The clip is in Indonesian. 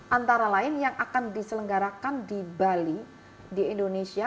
antara lain yang akan diselenggarakan di bali di indonesia